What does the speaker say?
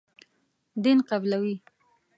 دین قبولوي.